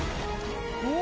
うわ！